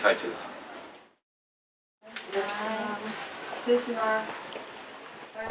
失礼します。